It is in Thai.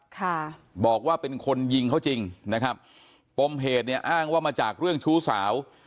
ค่ะบอกว่าเป็นคนยิงเขาจริงนะครับปมเหตุเนี่ยอ้างว่ามาจากเรื่องชู้สาว